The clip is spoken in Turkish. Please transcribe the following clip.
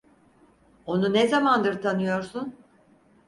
Onu ne zamandır tanıyorsun?